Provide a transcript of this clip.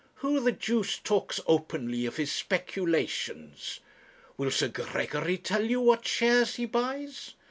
Who the deuce talks openly of his speculations? Will Sir Gregory tell you what shares he buys?